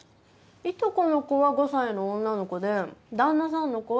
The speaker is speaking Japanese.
いとこの子は５歳の女の子で旦那さんの子は７歳の男の子っす。